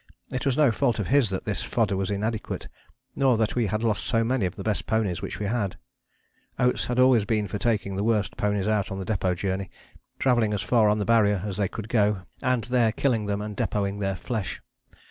It was no fault of his that this fodder was inadequate, nor that we had lost so many of the best ponies which we had. Oates had always been for taking the worst ponies out on the Depôt Journey: travelling as far on to the Barrier as they could go, and there killing them and depôting their flesh.